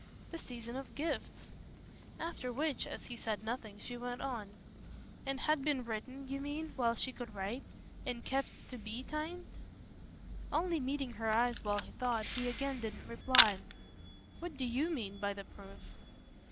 "The season of gifts!" After which, as he said nothing, she went on: "And had been written, you mean, while she could write, and kept to BE so timed?" Only meeting her eyes while he thought, he again didn't reply. "What do YOU mean by the proof?"